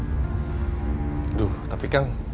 aduh tapi kang